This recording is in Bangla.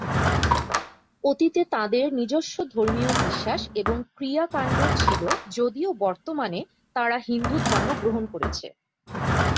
অতীতে তাঁদের নিজস্ব ধর্মীয় বিশ্বাস এবং ক্রিয়া-কাণ্ড ছিল যদিও বর্তমানে তাঁরা হিন্দু ধর্ম গ্রহণ করেছে।